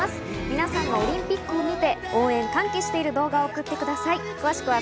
皆さんがオリンピックを見て応援に歓喜している動画を送ってください。